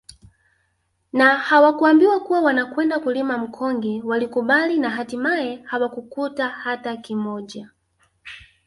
Na hawakuambiwa kuwa wanakwenda kulima mkonge walikubali na hatimaye hawakukuta hata kimoja